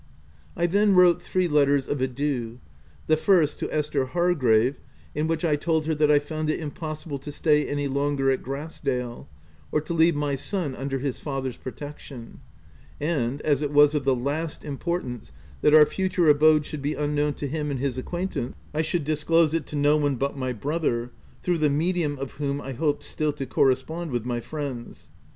I then wrote three letters of adieu : the first to Esther Hargrave, in which I told her that I found it impossible to stay any longer at Grass dale, or to leave my son under his father's protection ; and, as it was of the last importance that our future abode should be un known to him and his acquaintance, I should disclose it to no one but my brother, through the medium of whom I hoped still to corres pond with my friends.